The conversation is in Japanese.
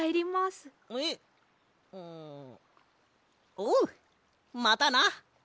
おうまたな！